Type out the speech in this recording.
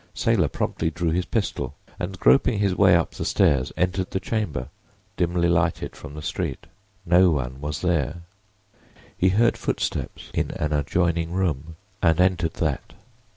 Saylor promptly drew his pistol, and groping his way up the stairs entered the chamber, dimly lighted from the street. No one was there. He heard footsteps in an adjoining room and entered that.